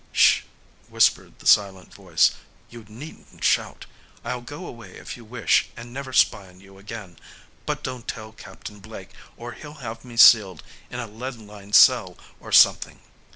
"Sh!" whispered the silent voice. "You needn't shout. I'll go away if you wish and never spy on you again, but don't tell Captain Blake, or he'll have me sealed in a lead lined cell or something.